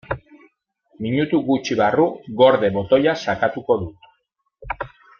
Minutu gutxi barru "gorde" botoia sakatuko dut.